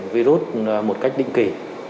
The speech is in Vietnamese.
virus một cách định kỳ